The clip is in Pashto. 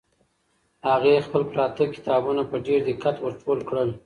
هغې خپل پراته کتابونه په ډېر دقت ور ټول کړل.